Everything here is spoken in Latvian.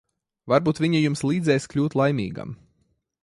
Varbūt viņa jums līdzēs kļūt laimīgam.